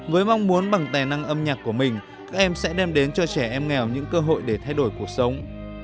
với mong muốn bằng tài năng âm nhạc của mình các em sẽ đem đến cho trẻ em nghèo những cơ hội để thay đổi cuộc sống